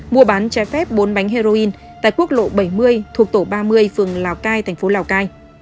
mua bán trái phép bốn bánh heroin tại quốc lộ bảy mươi thuộc tổ ba mươi phường lào cai thành phố lào cai